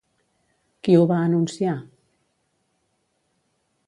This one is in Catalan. Qui ho va anunciar?